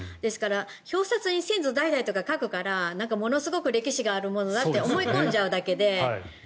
表札に先祖代々とか書くからものすごく歴史があるものだと思い込んじゃうだけで。